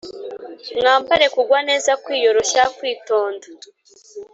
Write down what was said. Mwambare kugwa neza kwiyoroshya kwitonda